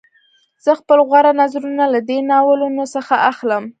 زه خپل غوره نظرونه له دې ناولونو څخه اخلم